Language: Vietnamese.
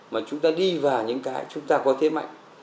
mà chúng ta đi vào những cái chúng ta có thế mạnh